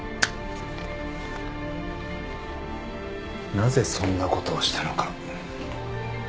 なぜそんなことをしたのか。